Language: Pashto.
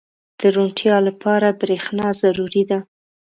• د روڼتیا لپاره برېښنا ضروري ده.